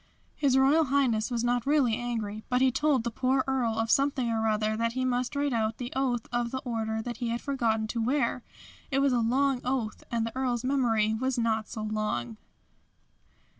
His Royal Highness was not really angry, but he told the poor Earl of Something or other that he must write out the oath of the Order that he had forgotten to wear. It was a long oath and the Earl's memory was not so long."